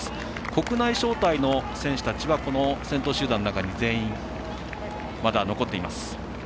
国内招待の選手たちはこの先頭集団の中に全員まだ残っています。